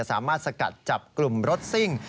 สามารถสกัดจับกลุ่มรถซิ่ง